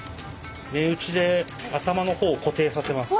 目打ちで頭の方を固定させます。